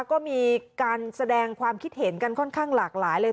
ก็มีการแสดงความคิดเห็นกันค่อนข้างหลากหลายเลย